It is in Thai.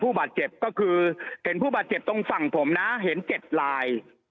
บาดเจ็บก็คือเห็นผู้บาดเจ็บตรงฝั่งผมนะเห็น๗ลาย